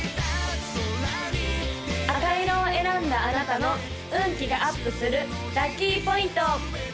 赤色を選んだあなたの運気がアップするラッキーポイント！